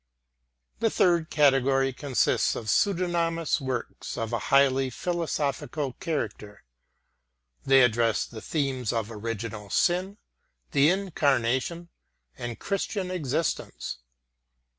The third category consists of pseudonymous works of a highly philosophical character; they address the themes of original sin, the Incarnation, and Christian existence.